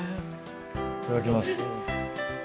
いただきます。